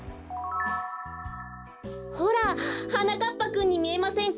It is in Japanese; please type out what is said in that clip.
ほらはなかっぱくんにみえませんか？